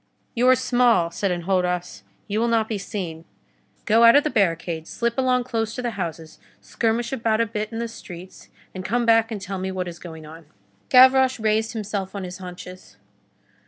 "You are small," said Enjolras, "you will not be seen. Go out of the barricade, slip along close to the houses, skirmish about a bit in the streets, and come back and tell me what is going on." Gavroche raised himself on his haunches.